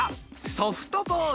ソフトボール。